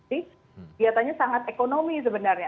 kegiatannya sangat ekonomi sebenarnya